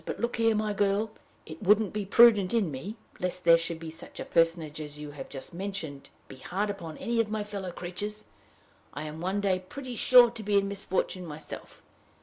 But look here, my girl: it wouldn't be prudent in me, lest there should be such a personage as you have just mentioned, to be hard upon any of my fellow creatures: I am one day pretty sure to be in misfortune myself.